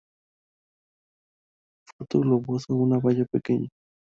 Fruto globoso, una baya pequeña.